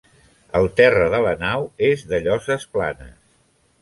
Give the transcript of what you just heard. El terra de la nau és de lloses planes.